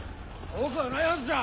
遠くはないはずじゃ。